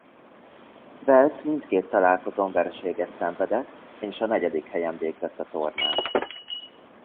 Wales mindkét találkozón vereséget szenvedett és a negyedik helyen végzett a tornán.